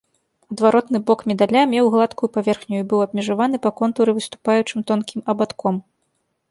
Адваротны бок медаля меў гладкую паверхню і быў абмежаваны па контуры выступаючым тонкім абадком.